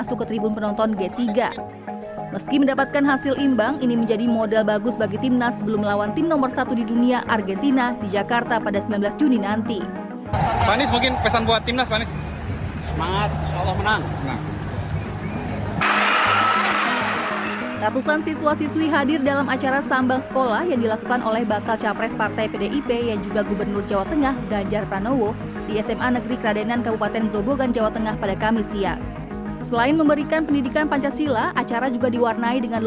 semangat insya allah menang